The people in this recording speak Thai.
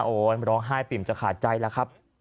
โอนร้องไห้ปิ่มจะขาดใจแล้วครับ